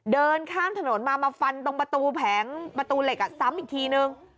เดินข้ามถนนมามาฟันตรงปะตูเหล็กอ่ะซ้ำอีกทีนึง